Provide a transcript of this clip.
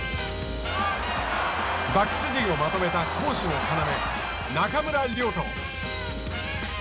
バックス陣をまとめた攻守の要、中村亮土。